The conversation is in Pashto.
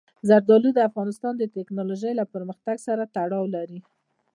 زردالو د افغانستان د تکنالوژۍ له پرمختګ سره تړاو لري.